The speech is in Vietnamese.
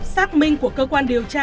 xác minh của cơ quan điều tra